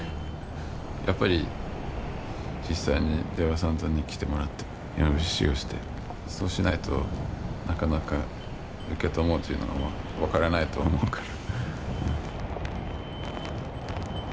やっぱり実際に出羽三山に来てもらって山伏修行してそうしないとなかなか「うけたもう」というのは分からないと思うから。